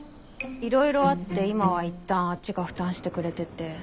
いろいろあって今はいったんあっちが負担してくれてて。